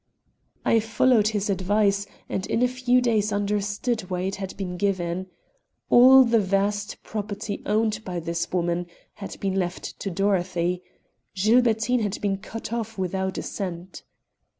I followed his advice and in a few days understood why it had been given. All the vast property owned by this woman had been left to Dorothy. Gilbertine had been cut off without a cent.